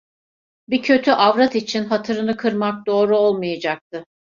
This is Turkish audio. Bir kötü avrat için hatırını kırmak doğru olmayacaktı.